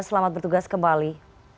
selamat bertugas kembali